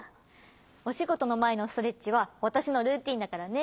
おしごとのまえのストレッチはわたしのルーティーンだからね。